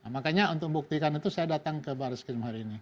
makanya untuk membuktikan itu saya datang ke baris krim hari ini